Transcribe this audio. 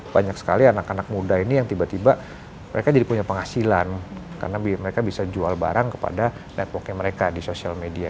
banyak sekali anak anak muda ini yang tiba tiba mereka jadi punya penghasilan karena mereka bisa jual barang kepada networknya mereka di sosial media